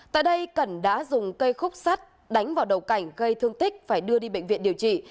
tại đây cẩn đã dùng cây khúc sắt đánh vào đầu cảnh gây thương tích phải đưa đi bệnh viện điều trị